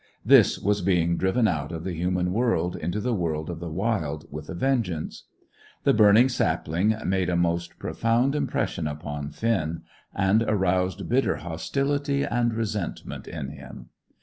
This was being driven out of the human world into the world of the wild with a vengeance. The burning sapling made a most profound impression upon Finn, and roused bitter hostility and resentment in him.